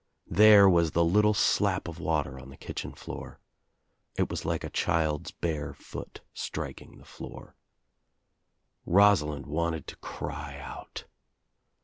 There was the little l80 THE TRIUMPH OF THE EGG slap of water on the kitchen floor. It was like a child's bare foot striking the floor. Rosalind wanted to cry out.